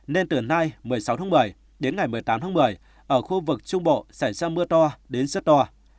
nên từ nay một mươi sáu tháng một mươi đến ngày một mươi tám tháng một mươi ở khu vực trung bộ xảy ra mưa to đến rất to